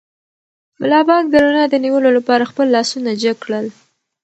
ملا بانګ د رڼا د نیولو لپاره خپل لاسونه جګ کړل.